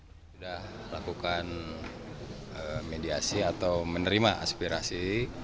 sudah lakukan mediasi atau menerima aspirasi